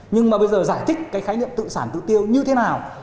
nhưng mà bây giờ giải thích cái khái niệm tự sản tự tiêu như thế nào